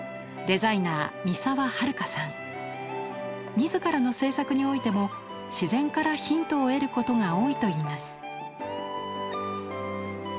自らの制作においても自然からヒントを得ることが多いといいます。